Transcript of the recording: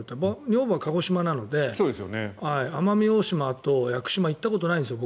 女房は鹿児島なので奄美大島と屋久島行ったことないんですよ